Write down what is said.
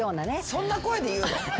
そんな声で言うの？